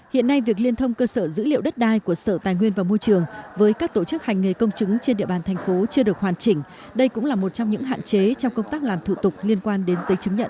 hiện nay việc liên thông cơ sở dữ liệu đất đai của sở tài nguyên và môi trường với các tổ chức hành nghề công chứng trên địa bàn thành phố chưa được hoàn chỉnh đây cũng là một trong những hạn chế trong công tác làm thủ tục liên quan đến giấy chứng nhận